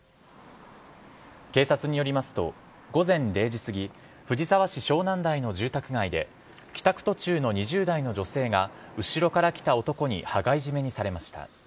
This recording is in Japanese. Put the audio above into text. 警察によりますと午前０時すぎ藤沢市湘南台の住宅街で帰宅途中の２０代の女性が後ろから来た男に羽交い締めにされました。